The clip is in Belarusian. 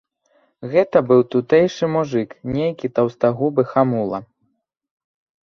Гэта быў тутэйшы мужык, нейкі таўстагубы хамула.